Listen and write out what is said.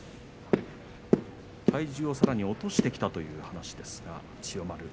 体重をさらに落としてきたという話ですが、千代丸。